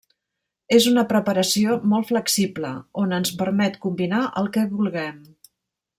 És una preparació molt flexible, on ens permet combinar el que vulguem.